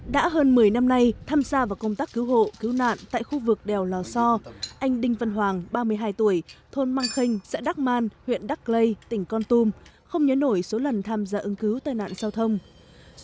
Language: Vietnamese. đã hơn một mươi năm nay tham gia vào công tác cứu hộ cứu nạn tại khu vực đèo lò so anh đinh văn hoàng ba mươi hai tuổi thôn măng khênh xã đắc man huyện đắc lây tỉnh con tum không nhớ nổi số lần tham gia ứng cứu tai nạn giao thông